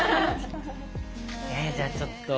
えっじゃあちょっと。